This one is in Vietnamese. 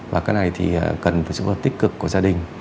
và cái này thì cần phải sử dụng tích cực của gia đình